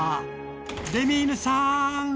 レミーヌさん！